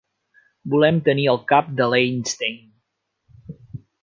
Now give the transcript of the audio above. Volem tenir el cap de l'Einstein.